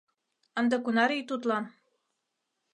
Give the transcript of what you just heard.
Ынде кунар ий тудлан?